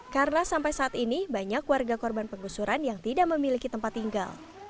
karena sampai saat ini banyak warga korban penggusuran yang tidak memiliki tempat tinggal